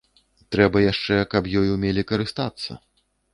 Трэба яшчэ, каб ёй умелі карыстацца.